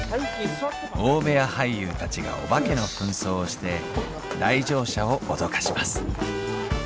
大部屋俳優たちがお化けの扮装をして来場者を脅かします。